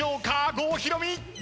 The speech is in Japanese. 郷ひろみ。